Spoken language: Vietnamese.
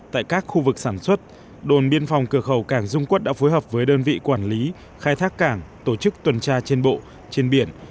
tại các khu vực sản xuất đồn biên phòng cửa khẩu cảng dung quốc đã phối hợp với đơn vị quản lý khai thác cảng tổ chức tuần tra trên bộ trên biển